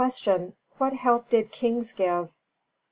Q. _What help did Kings give?